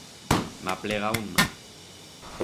M'ha aplegau un mal.